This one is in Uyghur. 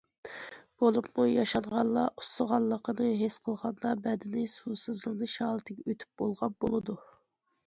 بولۇپمۇ، ياشانغانلار ئۇسسىغانلىقىنى ھېس قىلغاندا بەدىنى سۇسىزلىنىش ھالىتىگە ئۆتۈپ بولغان بولىدۇ.